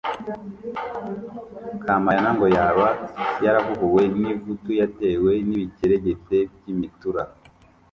Kampayana ngo yaba yarahuhuwe n’ivutu yatewe n’ibikeregete by’imitura.